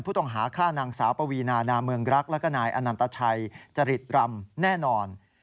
ผู้ต้องหาฆ่านางสาวปวีนานาเมืองรักแล้วก็นายอนันตชัยจริตรำแน่นอน